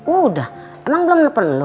udah emang belum nelfon lo